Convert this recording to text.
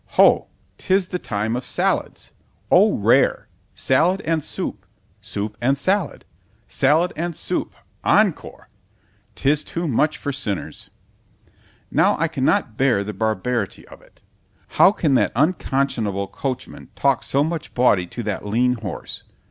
——Ho! 'tis the time of sallads.——O rare! sallad and soup—soup and sallad—sallad and soup, encore—— ——'Tis too much for sinners. Now I cannot bear the barbarity of it; how can that unconscionable coachman talk so much bawdy to that lean horse?